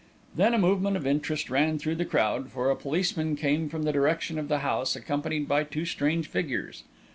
Then a movement of interest ran through the crowd, for a policeman came from the direction of the house accompanied by two strange figures.